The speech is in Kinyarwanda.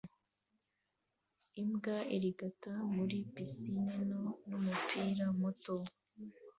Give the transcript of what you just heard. Imbwa irigata muri pisine nto n'umupira muto